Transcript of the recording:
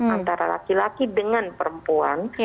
antara laki laki dengan perempuan